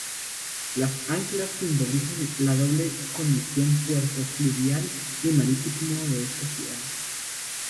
Las anclas simbolizan la doble condición puerto fluvial y marítimo de esta ciudad.